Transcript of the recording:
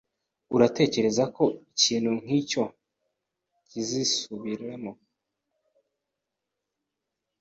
Uratekereza ko ikintu nkicyo kizisubiramo?